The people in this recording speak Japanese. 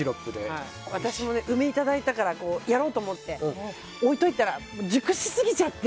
私も梅をいただいたからやろうと思って置いておいたら熟しすぎちゃって。